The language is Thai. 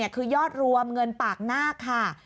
คือยอดรวมเงินปากนาคค่ะ